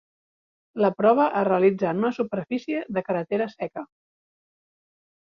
La prova es realitza en una superfície de carretera seca.